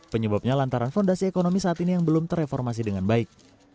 penyebabnya lantaran fondasi ekonomi saat ini yang belum terreformasi dengan baik